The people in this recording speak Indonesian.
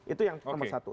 itu yang nomor satu